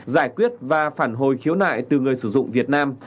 giải quyết và phản hồi khiếu nại từ người sử dụng việt nam